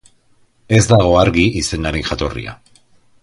Ez dago argi izenaren jatorria.